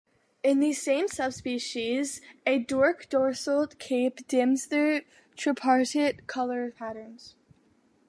In these same subspecies, a dark dorsal cape dims their tripartite color patterns.